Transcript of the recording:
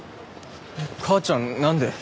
母ちゃんなんで？